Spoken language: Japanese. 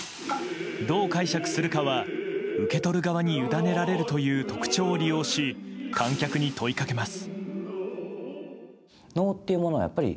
どう解釈するかは受け取る側に委ねられるという特徴を利用し観客に問いかけます。